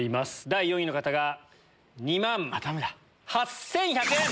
第４位の方が２万８１００円。